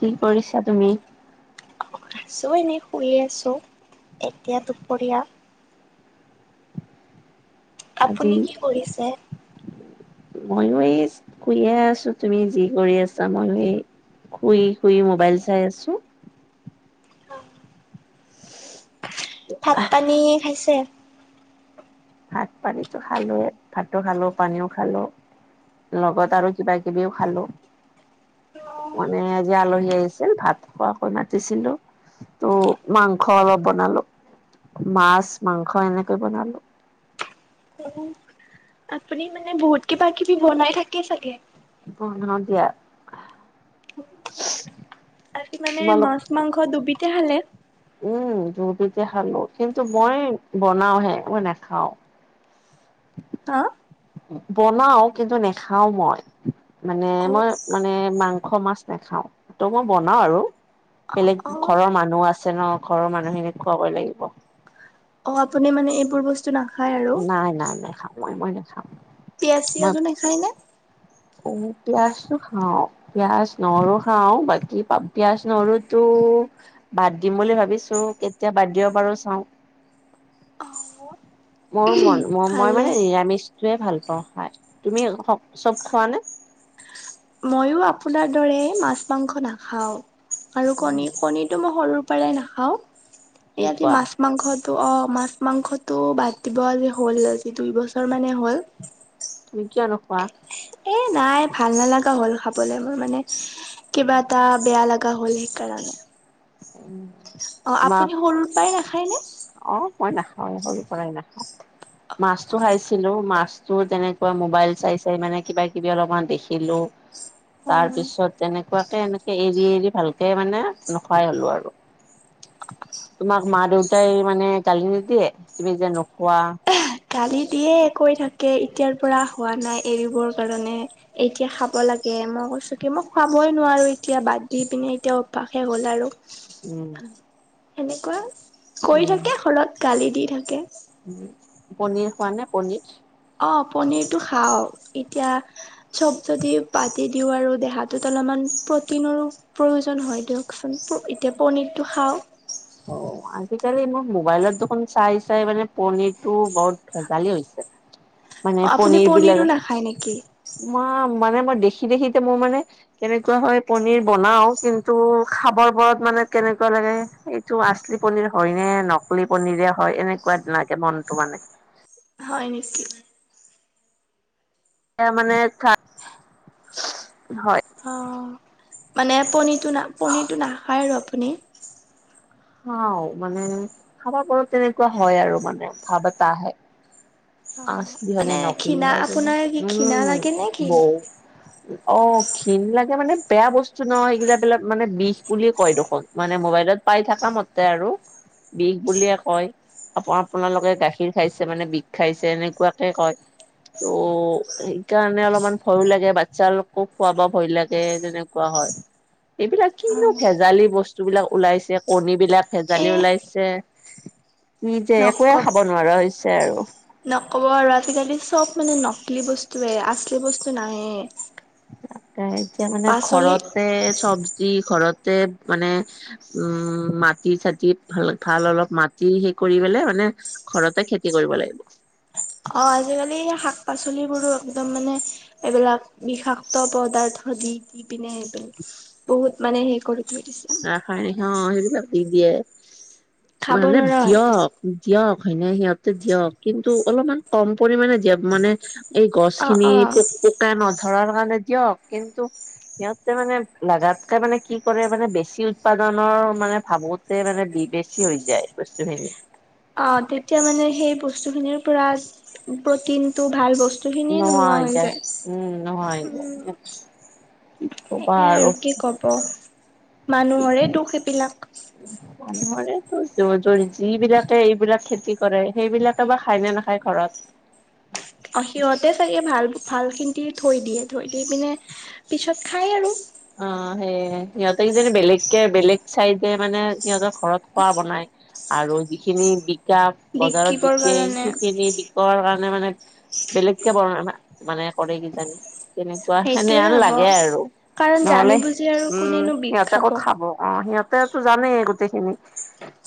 কি কৰিছা? তুমি আছোঁ এনেই শুই আছোঁ এতিয়া দুপৰীয়া। আজি? আপুনি কি কৰিছে? মইয়ো এই শুইে আছোঁ, তুমি যি কৰি আছা মইয়ো এই। শুই শুই মোবাইল চাই আছোঁ। ভাত পানী খাইছে? ভাত পানিতো খালোয়ে, ভাতো খালোঁ পানীও খালোঁ। লগত আৰু কিবা-কিবিও খালোঁ। মানে আজি আলহী আহিছিল ভাত খোৱাকৈ মাতিছিলোঁ। ত' মাংস অলপ বনালোঁ, মাছ-মাংস এনেকৈ বনালোঁ। উম। আপুনি মানে বহুত কিবা-কিবি বনাই থাকে চাগে। বনাও দিয়া। [unintelligible] আজি মানে তোমালোক মাছ-মাংস দুবিধতে খালে। উম, দুয়োবিধে খালোঁ কিন্তু মই বনাও হে মই নাখাওঁ। [inaudible] হা! বনাও কিন্তু নেখাও মই, মানে অ মই মানে মাংস মাংখ-মাছ নাখাওঁ ত' মই বনাও আৰু অ বেলেগ অ ঘৰৰ মানুহ আছে। আছে ন' ঘৰৰ মানুহখিনিক খুৱাবই লাগিব। অহ, আপুনি মানে এইবোৰ বস্তু না নাই নাই নাখাওঁ মই, মই নাখাওঁ। পিয়াজ চিয়াজো নাখায় নে? অহ, পিয়াজটো খাওঁ। পিয়াজ নহৰো খাওঁ বাকি পা-পিয়াজ নহৰো তো বাদ দিম বুলি ভাবিছোঁ, কেতিয়া বাদ দিব পাৰোঁ চাওঁ। অ মোৰ [unintelligible] মই মই ভালে মানে নিৰামিষটোৱে ভাল পাওঁ খাই, তুমি সক চব খোৱা নে? ময়ো আপোনাৰ দৰে মাছ মাংস নাখাওঁ, আৰু কণী কণীটো মই সৰু পৰাই কি নাখাওঁ [unintelligible] খোৱা মাছ মাংসটো অ' মাছ মাংসটো বাদ দিব যে হ'ল আজি দুই বছৰ মানে হ'ল। তুমি কিয় নোখোৱা? এ, নাই ভাল নালাগা হ'ল খাবলে মোৰ মানে কিবা এটা বেয়া লাগ [unintelligible] সেই কাৰণে। [unintelligible] সৰুৰ পৰাই নাখায়নে? অ' মই নাখাৱে সৰু পৰাই নাখাওঁ। মাছটো খাইছিলোঁ মাছটো তেনেকৈ মোবাইল চাই চাই মানে কিবা কিবি অলপমান দেখিলোঁ। তাৰ পিছত তেনেকুৱাকে এনেকে এৰি এৰি ভালকে মানে নোখোৱাই হ'লো আৰু। তোমাক মা দেউতাই মানে গালি নিদিয়ে তুমি যে নোখোৱা। গালি দিয়ে কৈ থাকে এতিয়াৰ পৰা হোৱা নাই এৰিবৰ কাৰণে। এতিয়া খাব লাগে মই কৈছোঁ কি মই খুৱাবই নোৱাৰোঁ এতিয়া বাদ দি পিনে এতিয়া অভ্যাসে হ'ল আৰু। উম। সেনেকৈ কয় থাকে ঘৰত গালি দি থাকে। উম, পনীৰ খোৱা নে পনীৰ? অ' পনীৰটো খাওঁ, এতিয়া চব যদি বাদে দিওঁ আৰু দেহাটোত অলপমান প্ৰটিনৰো প্ৰয়োজন হয় দিয়কচোন প-এতিয়া পনীৰটো খাওঁ। অ' আজিকালি মোৰ মোবাইলত দেখোন চাই চাই মানে পনীৰটো বৰ ভেজালি হৈছে। অ মানে আপুনি পনীৰ পনীৰো বিলাক। নাখায় নেকি? মই মানে মই দেখি দেখি এতিয়া মোৰ মানে কেনেকুৱা হয় পনীৰ বনাও কিন্তু খাবৰ বৰত মানে কেনেকুৱা লাগে। [unintelligible] আচলি পনিৰ হয় নে নকলি পনীৰে হয় এনেকুৱা লাগে মনটো মানে। হয় [inaudible] এয়া মানে [unintelligible] হয়। অ' মানে পনীৰটো না পনিৰটো নাখায় আৰু আপুনি। খাওঁ মানে খাবা পাৰোঁ তেনেকুৱা হয় আৰু মানে ভাৱ এটা আহে। অ' আচলি হয় নে মানে নকলি ঘিণা [unintelligible] আপোনাৰ কি ঘিণা উম, লাগে নে কি? বৌ। অ' ঘিণ লাগে মানে বেয়া বস্তু ন' সেইগিলা বিলাক মানে বিষ বুলিয়ে কয় দেখোন। মানে মোবাইলত পাই থাকা মতে আৰু। বিষ বুলিয়ে কয়, অপ আপোনালোকে গাখীৰ খাইছে মানে বিষ খাইছে এনেকুৱাকে কয়। ত' সেইকাৰণে অলপমান ভয়ো লাগে বাচ্ছালোকক খুৱাব ভয় লাগে যেনেক কোৱা হয়। এইবিলাক কিনো অ' ভেজালি বস্তুবিলাক ওলাইছে কণী বিলাক এ ভেজালি ওলাইছে। কি যে একোৱে নকব খাব নোৱাৰা হৈছে আৰু। নক'ব আৰু আজিকালি চব মানে নকলি বস্তুৱে আচলি বস্তু নাইয়ে। তাকে এতিয়া মানে ঘৰতে চব্জি ঘৰতে মানে উম, মাটি চাটি ভাল ভাল অলপ মাটি সেই কৰি পেলাই মানে ঘৰতে খেতি কৰিব লাগিব। অ' আজিকালি শাক পাচলিবোৰো একদম মানে এইবিলাক বিষাক্ত পদাৰ্থ দি দি পিনে সেইবিলাক বহুত মানে হেই কৰি থৈ দিছে অ'। [unintelligible] সেইবিলাক দি দিয়ে, খাব মানে নোৱাৰা হৈ গৈছে। দিয়ক দিয়ক হয়নে সিহঁতে দিয়ক কিন্তু অলপমান কম পৰিমাণে দিয়ক মানে এই অ' গছখিনি অ' পোক পোক [unintelligible] নধৰাৰ কাৰণে দিয়ক কিন্তু সিহঁতে মানে লাগাতকে মানে কি কৰে মানে বেছ বেছি উৎপাদনৰ মানে ভাবোতে মানে বেছি হৈ যায় বস্তুখিনি। অ' তেতিয়া মানে সেই বস্তুখিনিৰ পৰা প্ৰটিন টো ভাল বস্তু বস্তুখিনিয়ে নোহোৱা হৈ যায়, উম নোহোৱা হৈ উম। যায় কি কবা সেয়াই আৰু কি কব মানুহৰে দুখ এইবিলাক। উ মানুহৰে [unintelligible] যিবিলাকে এইবিলাক খেতি কৰে সেইবিলাকে বা খায় নে নাখায় ঘৰত। অ' সিহঁতে চাগে ভাল-ভাল খিনি থৈ দিয়ে থৈ দি পিনে পিছত খাই আৰু। অ' সেয়ে সিহঁতে যে বেলেগকে বেলেগ চাই দে মানে সিহঁতৰ ঘৰত খোৱা বনাই। আৰু যিখিনি বিকা বজাৰত বিকিবৰ বিকে কাৰণে সেইখিনি বিকৰ কাৰণে মানে বেলেগকে [unintelligible] মানে কৰে কিজানি তেনেকুৱা সেইটোৱে সেনেহন হ'ব। লাগে আৰু। কাৰণ জানি নহলে বুজি আৰু উম' কোনেনো বিষ সিহঁতে ক'ত খাব অ' সিহত সিঁহতে জানেই গোটেইখিনি,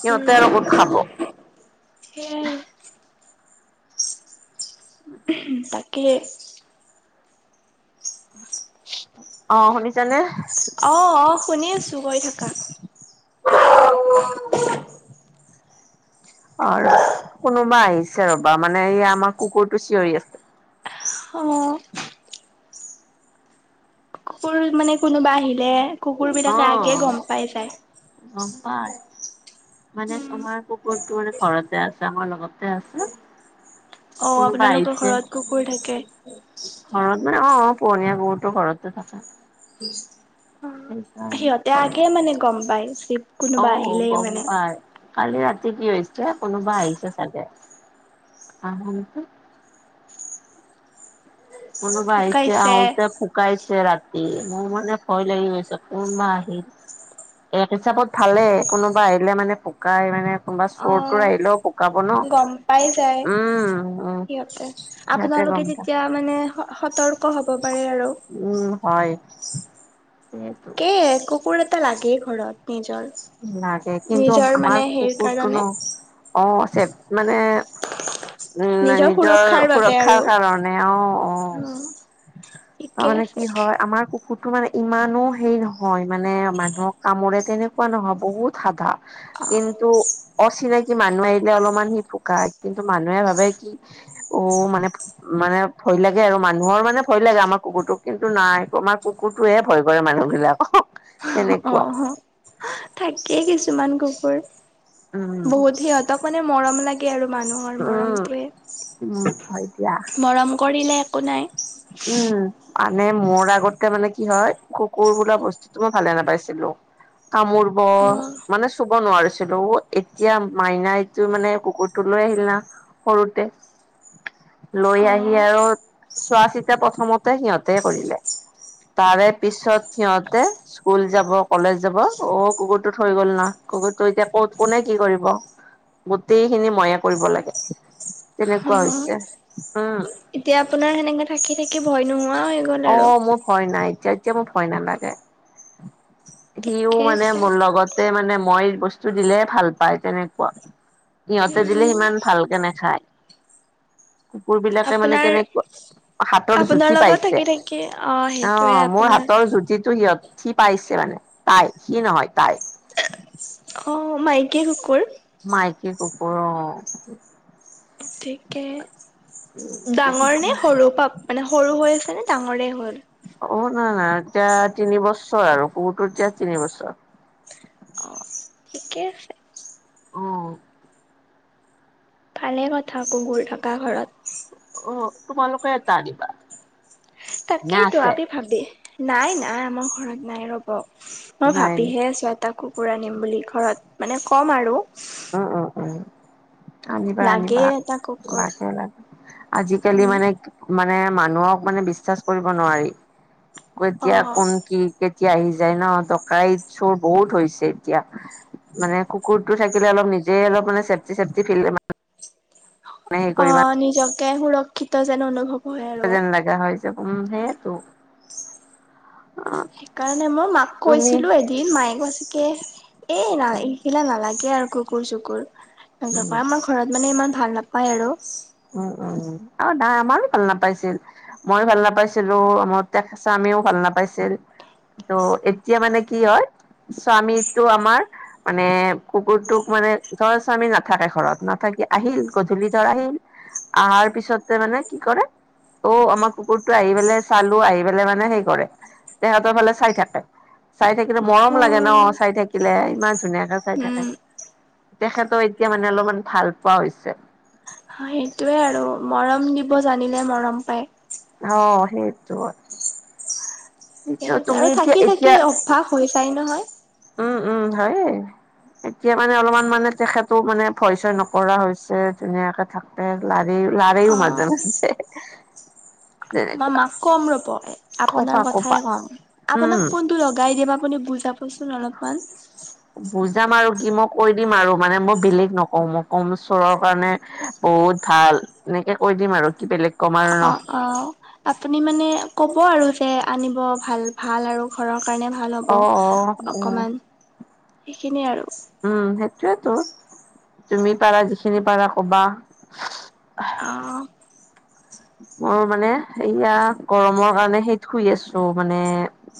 সিহঁতে আৰু ক'ত খাব। সেইয়াই তাকে। অ' শুনিছানে? অ', অ' শুনি আছো কৈ থাকা। অ' ৰ কোনোবা আহিছে ৰবা মানে এই আমাৰ কুকুৰটো চিঞৰি আছে। অ'। মোৰো মানে কোনোবা আহিলে। কুকুৰ অ বিলাকে আগে গম পাই যায়। গম পাই মানে তোমাৰ কুকুৰটো মানে ঘৰতে আছে আমাৰ লগত। অ' আপোনালোকৰ আহিছে ঘৰত কুকুৰ থাকে। ঘৰত মানে অ' পোহনীয়া কুকুৰটো ঘৰতে থাকে। উম। সেইকাৰণে এই আগেই মানে গম পায় চিপ অ কোনোবা আহিলেই গম মানে। পাই কালি ৰাতি কি হৈছে কোনোবা আহিছে চাগে, আহ কোনো আহিছে ফুকাইছে আহোঁতে কুক ভকাইছে ৰাতি মই মানে ভয় লাগি গৈছে কোন বা আহিল। এক হিচাপত ভালে কোনোবা আহিলে মানে ভোকাই মানে কোনোবা অ চোৰটোৰ আহিলেও ভোকাব ন' গম পাই যায় উম উম। সিহঁতে সিহঁতে আপোনালোকে গম পাই তেতিয়া মানে স-সতৰ্ক হব পাৰে আৰু। উম হয়। সেইটো। কে কুকুৰ এটা লাগেই ঘৰত নিজৰ। লাগে কিন্তু নিজৰ মানে আমাৰ হেৰি কুকুৰটো কাৰণে ন অ' চ মানে উম নিজৰ সুৰক্ষাৰ বাবে সুৰক্ষাৰ আৰু কাৰণে অ', অ'। ঠিকে তাৰমানানে আছে কি হয় আমাৰ কু কুৰটো মানে ইমানো হেৰি নহয় মানে মানুহক কামৰে তেনেকুৱা কোৱা নহয় বহুত সাধা। অ কিন্তু অচিনাকি মানুহ আহিলে অলপমান সি ফুকা কিন্তু মানুহে ভাবে কি অ' মানে মানে ভয় লাগে আৰু মানুহৰ মানে ভয় লাগে আমাৰ কুকুৰটোক কিন্তু নাই আমাৰ কুকুৰ কুটোৱে ভয় কৰে মানুহ বিলাকক তেনেকুৱা। একেই কিছুমান কুকুৰ উম বহুত সিহঁতক মানে মৰম লাগে আৰু মানুহৰ উম মৰমটোৱে, উম হয় দিয়া মৰম কৰিলে একো নাই। উম মানে মোৰ আগতে মানে কি হয় কুকুৰ বোলা বস্তু তো মই ভালে নাপাইছিলো কামোৰ ব অ মানে চুব নোৱাৰিছিলোঁ এতিয়া মাইনাইটো মানে কুকুৰটো লৈ আহিল না সৰুতে, লৈ অ আহি আৰু চোৱা চিতা প্ৰথমতে সিহঁতে কৰিলে তাৰে পিছত সিহতে স্কুল যাব কলেজ যাব অ কুকুৰটো থৈ গল ন কুকুৰটো এতিয়া কত কোনে কি কৰিব? গোটেইখিনি ময়য়া কৰিব লাগে অ তেনেকুৱা হৈছে উম, এতিয়া আপোনাৰ সেনেকে থাকি থাকি ভয় নোহোৱা গ'ল অ, আৰু মোৰ ভয় নাই ইচ্ছা ইচ্ছা মোৰ ভয় নালাগে। সিও ঠিকে মানে আছে মোৰ লগত মানে মই বস্তু দিলে ভাল পায় তেনেকুৱা। সিহঁতে দিলে সিমান ভালকে নাখায়। কুকুৰ বিলাকে মানে আপোনাৰ কেনেকুৱা হাতৰ আপোনাৰ জুতি পাইছে। [inaudible] অ, অ, সেইটোয়ে মোৰ আপোনাৰ হাতৰ জুতিটো সিহত সি পাইছে মানে তাই সি নহয় তাই। অ, মাইকী কুকুৰ। মাইকে কুকুৰ অ, গতিকে ডাঙৰনে তেনেকুৱা সৰু? পাপ মানে সৰু হৈ আছে নে ডাঙৰেই হ'ল? অ, নাই নাই এতিয়া তিন বছৰ আৰু কুকুৰটো এতিয়া তিনিবছৰ। অ ঠিকে আছে। অ, ভালে কথা কুকুৰ থকা ঘৰত। অ, তোমালোকে এটা দিবা। তাকেই তো আপি ভাবি নাই নাই আমাৰ ঘৰত নাই ৰ'ব। মই নাই নেকি ভাবিহে চুৱটা কুকুৰ আনিম বুলি ঘৰত মানে ক'ম আৰু। উম, উম, উম, আনিবা লাগে আনিবা এটা কুকুৰ লাগে লাগে আজিকালি উম, মানে মানে মানুহক মানে বিশ্বাস কৰিব নোৱাৰি এতিয়া অ', কোন কি কেতিয়া আহি যায় ন টকাইত চোৰ বহুত হৈছে এতিয়া মানে কুকুৰতটো থাকি অলপ নিজে অলপ মানে [inaudible] মানে হেৰি অ, কৰিবা নিজকে সুৰক্ষিত যেন অনুভৱ হয় আৰু। যেন লগা হৈছে, উম, [inaudible] সেইকাৰণে মই মাক তুমি কৈছিলোঁ এদিন, মায়ে কৈছে কি এই ন এইখিলা নালাগে আৰু কুকুৰ চুকুৰ এনেক উম ক আমাৰ ঘৰত মানে ইমান ভাল নাপায় আৰু। উম, উম, উম, আৰু দা আমাৰো ভাল নাপাইছিল। মই ভাল নাপাইছিলোঁ আমাৰ তে স্বামিও ভাল নাপাইছিল। ত' এতিয়া মানে কি হয় স্বামীটো আমাৰ মানে কুকুৰটোক মানে ধৰ স্বামী নাথাকে ঘৰত নাথাকি আহিল গধূলি ধৰ আহিল, অহাৰ পিছত মানে কি কৰে, ত'আমাৰ কুকুৰটো আহি পেলাই চালো আহি পেলাই মানে সেই কৰে তেহতৰ ফালে চাই থাকে। চাই থাকিলে মৰম লাগে ন উম। চাই থাকিলে ইমান ধুনীয়াকে চাই থাকে। তেখেতৰ এতিয়া মানে অলপমান ভাল পোৱা হৈছে। সেইটোৱে আৰু মৰম দিব জানিলে মৰম পায়। অ, সেইটো সেইটো সেইয় তুমি আৰু এতিয়া থাকি এতিয়া থাকি অভ্যাস হৈ যায় নহয়। উম, উম, হয়ে। এতিয়া মানে অলপমান মানে তেখেতো মানে ভয় চয় নকৰা হৈছে ধুনীয়াকে থাক লাৰি লাৰিও অ', মাজে মাজে। মই তেনেকুৱা মাক কম ৰূপ কপা আপোনাৰ কপা কথাই কম উম আপোনাক কোন টো লগাই দিম আপুনি বুজাবচোন অলপমান। বুজাম আৰু কি মই কৈ দিম আৰু মানে মই বেলেগ নকওঁ মই ক'ম চোৰৰ কাৰণে বহুত ভাল, এনেকে কৈ দিম আৰু কি বেলেগ ক'ম আৰু ন অ, অ, আপুনি মানে ক'ব আৰু যে আনিব ভাল ভাল আৰু ঘৰৰ কাৰণে ভাল হ'ব অ অ উম অকণমান সেইখিনিয়ে আৰু। উম, সেইটোয়েতো তুমি পাৰা যিখিনি পাৰা ক'বা। অ'। মোৰ মানে সেয়া গৰমৰ কাৰণে সেই শুই আছো মানে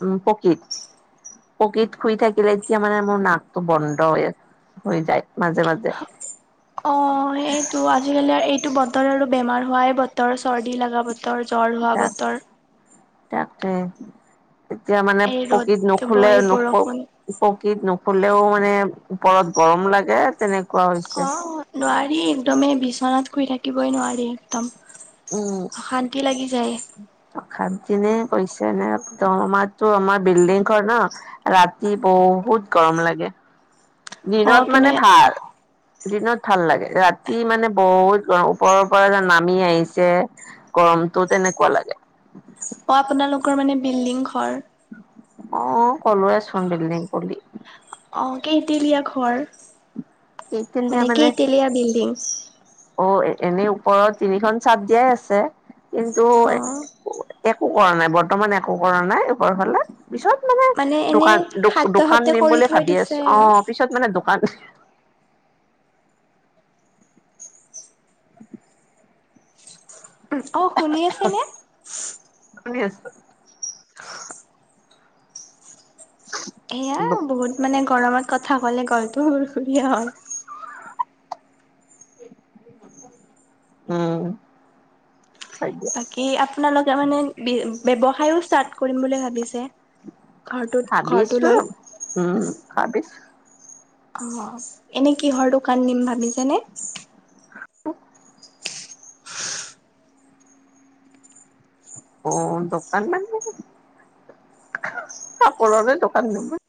উম পকীত। পকীত শুই থাকিলে এতিয়া মানে মোৰ নাকটো বন্ধ হৈ আছে। হৈ যায় মাজে মাজে। অ', সেইটো আজিকালি আৰু এইটো বতৰ আৰু বেমাৰ হোৱাই বতৰ চৰ্দি লগা বতৰ জ্বৰ হোৱা বতৰ। তাকতে এতিয়া মানে এই ৰ'দ পকীত দিব নুশুলে এই নুশু বৰষুণ পকীত নুশুলেও মানে ওপৰত গৰম লাগে তেনেক অ', নোৱাৰি একদমেই বিচনাত শুই থাকিবই নোৱাৰি একদম। অশান্তি লাগি যায়। অশান্তিনে কৈছে নে একদম আমাতো আমাৰ বিল্ডিং ঘৰ ন। ৰাতি বহুত গৰম লাগে অ', দিনত আপুনি মানে অ', ভাল। দিনত ভাল লাগে ৰাতি মানে বহুত গৰ ওপৰৰ পৰা যে নামি আহিছে। গৰমতো তেনেকুৱা লাগে। অ', আপোনালোকৰ মানে বিল্ডিং ঘৰ? অ', ক'লোয়েচোন বিল্ডিং বুলি। অ', কেইটেলীয়া ঘৰ সেইখিনি দিয়া মানে কেইটেলীয়া বিল্ডিং? অ', এনেই ওপৰত তিনিখন চাট দিয়াই আছে। কিন্তু অ'। একো কৰা নাই বৰ্তমান একো কৰা নাই ঘৰ ফালে। পিছত মানে এনেই দোকান দোকান সাধ্যহতে দিম কৰি বুলি থৈ ভাবি দিছে আছো আৰু অ' পিছত মানে দোকান অ', শুনি আছে নে? শুনি আছো। [inaudible] এয়া বহুত মানে গৰমত কথা ক'লে গলটো সুৰ সুৰীয়া হয়। উম। বাকী আপোনালোকে মানে ব্যৱসায়ো ষ্টাৰ্ট কৰিম বুলি ভাবিছে? ঘৰটোত ঘৰটো ভাবিছো লৈ উম ভাবিছো। অ', এনে কিহৰ দোকান দিম ভাবিছেনে? অ', দোকান ন কাপোৰৰে দোকান